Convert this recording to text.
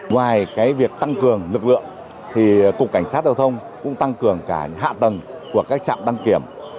ngoài việc tăng cường lực lượng thì cục cảnh sát giao thông cũng tăng cường cả hạ tầng của các trạm đăng kiểm